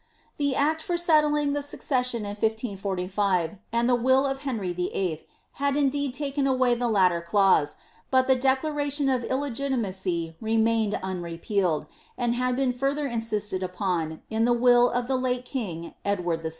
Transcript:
The act for settling the succession in 1545, and the will of Henry Vlll^ bad indeed taken away the latter clause^ but the declaration of iUegitimacy remained unrepealed, and had been further insisted upon in the will of the late king Edward VI.